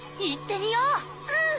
いってみよう。